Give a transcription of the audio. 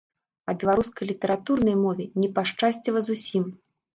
А беларускай літаратурнай мове не пашчасціла зусім.